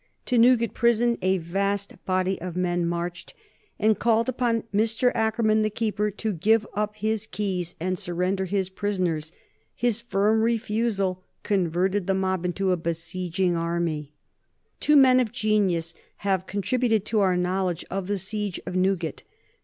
To Newgate Prison a vast body of men marched, and called upon Mr. Akerman, the keeper, to give up his keys and surrender his prisoners. His firm refusal converted the mob into a besieging army. [Sidenote: 1780 The burning of Newgate Prison] Two men of genius have contributed to our knowledge of the siege of Newgate.